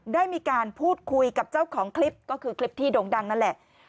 ได้มีการพูดคุยกับเจ้าของคลิปก็คือคลิปที่โด่งดังนั่นแหละ